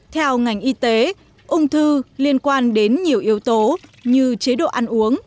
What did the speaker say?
theo ngành y tế ung thư liên quan đến nhiều yếu tố như chế độ ăn uống